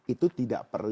itu tidak berbahaya